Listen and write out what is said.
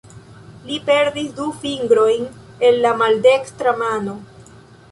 Li perdis du fingrojn el la maldekstra mano.